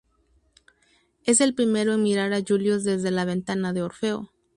Es el primero en mirar a Julius desde "La ventana de Orfeo".